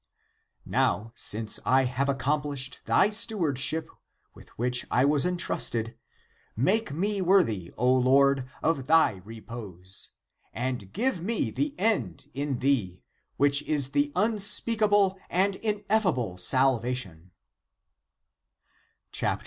— now, since I have accomplished thy stew ardship with which I was intrusted, make me wor thy, O Lord, of thy repose, and give me the end in thee, which is the unspeakable and ineffable salva tion.